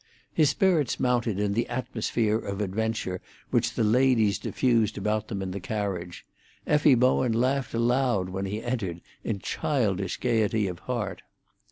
His spirits mounted in the atmosphere of adventure which the ladies diffused about them in the carriage; Effie Bowen laughed aloud when he entered, in childish gaiety of heart.